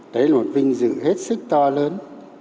đấy là một vinh dự hết sức to lớn